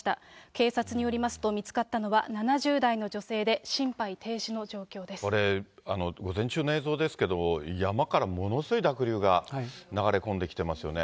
警察によりますと、見つかったのは７０代の女性で、心肺停止の状これ、午前中の映像ですけれども、山からものすごい濁流が流れ込んできていますよね。